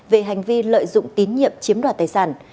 về hành vi lợi dụng tín nhiệm chiếm đoạt tài sản